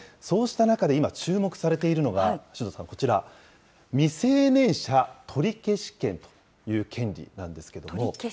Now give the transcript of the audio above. そうした中で今、注目されているのが、首藤さん、こちら、未成年者取消権という、権利なんですけれども。